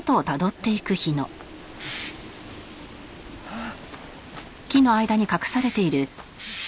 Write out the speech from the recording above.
ああ。